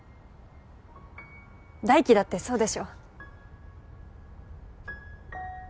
大樹だってそうでしょう？